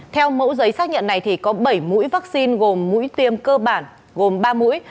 theo mẫu giấy xác nhận này có bảy mũi vaccine gồm mũi tiêm cơ bản gồm ba mũi